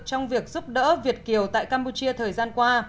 trong việc giúp đỡ việt kiều tại campuchia thời gian qua